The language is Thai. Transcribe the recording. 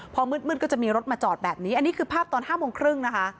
พอมืดก็จะมีรถมาจอดแบบนี้อันนี้คือภาพตอน๕โมงครึ่งนะคะ